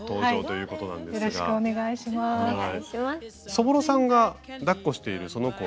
そぼろさんがだっこしているその子は？